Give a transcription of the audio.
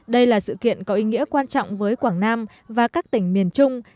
đây là sự kiện có ý nghĩa quan trọng với quảng nam và các tỉnh miền trung